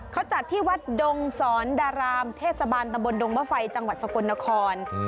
เขาจัดที่วัดดงสอนดารามเทศบาลตะบนดงมะไฟจังหวัดสกลนคร